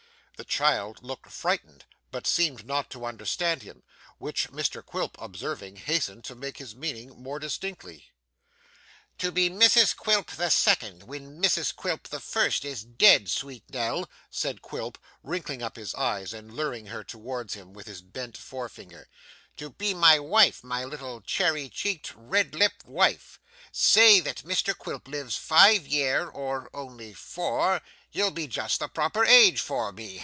The child looked frightened, but seemed not to understand him, which Mr Quilp observing, hastened to make his meaning more distinctly. 'To be Mrs Quilp the second, when Mrs Quilp the first is dead, sweet Nell,' said Quilp, wrinkling up his eyes and luring her towards him with his bent forefinger, 'to be my wife, my little cherry cheeked, red lipped wife. Say that Mrs Quilp lives five year, or only four, you'll be just the proper age for me.